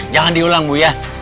jangan diulang bu ya